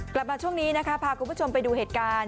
กลับมาช่วงนี้นะคะพาคุณผู้ชมไปดูเหตุการณ์